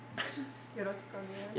よろしくお願いします。